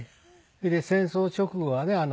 それで戦争直後はね